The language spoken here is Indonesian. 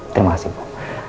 terima kasih bu